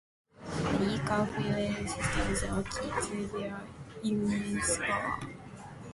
Funny car fuel systems are key to their immense power.